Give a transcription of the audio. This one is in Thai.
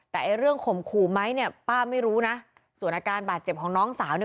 แต่ไอ้เรื่องข่มขู่ไหมเนี่ยป้าไม่รู้นะส่วนอาการบาดเจ็บของน้องสาวเนี่ย